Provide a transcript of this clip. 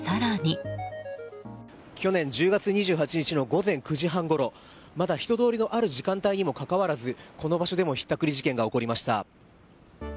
去年１０月２８日の午前９時半ごろまだ人通りのある時間帯にもかかわらずこの場所でもひったくり事件が起こりました。